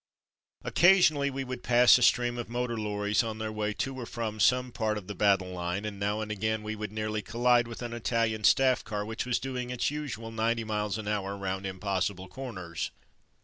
Occasionally we would pass a stream of motor lorries on their way to or from some part of the battle line, and now and again we would nearly collide with an Italian staff car which was doing its usual ninety miles an hour round impossible corners.